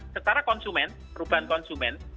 setara konsumen perubahan konsumen